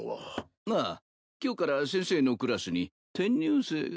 ああ今日から先生のクラスに転入生。